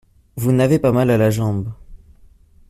Vous n’avez pas mal à la jambe.